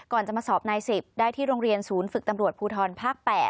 จะมาสอบนาย๑๐ได้ที่โรงเรียนศูนย์ฝึกตำรวจภูทรภาค๘